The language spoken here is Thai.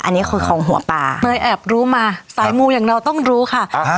อันนี้คือของหัวปลาเมยแอบรู้มาสายมูอย่างเราต้องรู้ค่ะอ่าฮะ